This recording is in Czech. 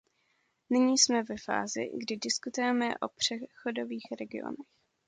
Nyní jsme ve fázi, kdy diskutujeme o přechodových regionech.